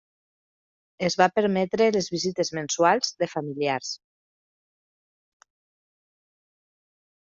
Es va permetre les visites mensuals de familiars.